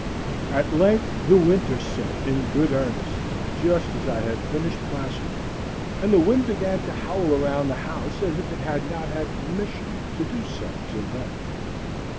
At length the winter set in in good earnest, just as I had finished plastering, and the wind began to howl around the house as if it had not had permission to do so till then.